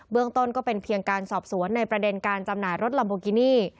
ต้นก็เป็นเพียงการสอบสวนในประเด็นการจำหน่ายรถลัมโบกินี่